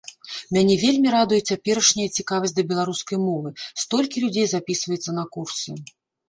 Мяне вельмі радуе цяперашняя цікавасць да беларускай мовы, столькі людзей запісваецца на курсы.